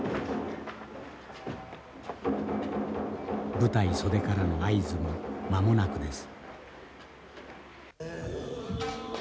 舞台袖からの合図も間もなくです。